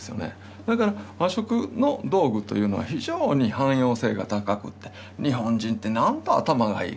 だから和食の道具というのは非常に汎用性が高くて日本人ってなんと頭がいい。